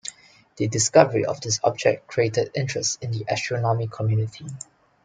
The discovery of this object created interest in the astronomy community.